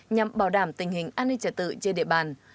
nhằm bảo đảm tình hình an ninh trả tự trên địa bàn